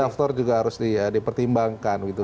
ada faktor juga harus dipertimbangkan gitu